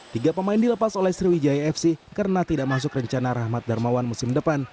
tiga pemain dilepas oleh sriwijaya fc karena tidak masuk rencana rahmat darmawan musim depan